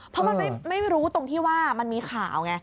เพราะมันไม่รู้ตรงที่ว่ามันมีข่าวไง